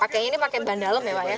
pakainya ini pakai bandal mewah ya